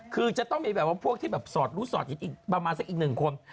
คือจะต้องมีแบบว่าพวกที่แบบสอดรู้สอดอีกประมาณสักอีกหนึ่งคน